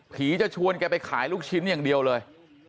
จะชวนแกไปขายลูกชิ้นอย่างเดียวเลย